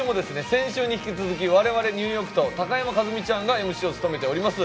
先週に引き続きわれわれニューヨークと高山一実ちゃんがＭＣを務めております